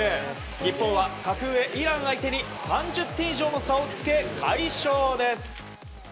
日本は格上イランを相手に３０点以上の差をつけ快勝です！